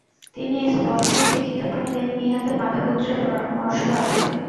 তিনি স্পষ্টই দেখিতে পাইলেন ইহাতে মাতাপুত্রের পরামর্শ আছে।